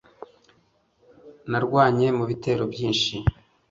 narwanye mu bitero byinshi